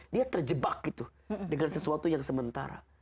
dia terjebak gitu dengan sesuatu yang sementara